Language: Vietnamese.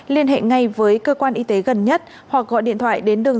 liên hệ ngay với cơ quan y tế gần nhất hoặc gọi điện thoại đến đường